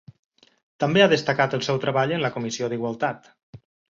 També ha destacat el seu treball en la Comissió d'Igualtat.